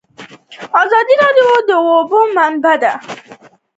ازادي راډیو د د اوبو منابع د اړونده قوانینو په اړه معلومات ورکړي.